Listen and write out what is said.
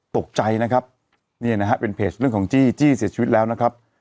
ตกใจนะครับเนี่ยนะฮะเป็นเพจเรื่องของจี้จี้เสียชีวิตแล้วนะครับ